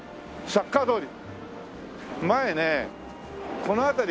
サッカー通り。